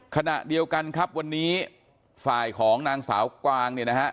ขณะเดียวกันครับวันนี้ฝ่ายของนางสาวกวางเนี่ยนะฮะ